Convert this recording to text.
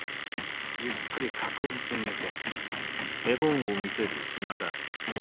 ゆっくり確実に抜け。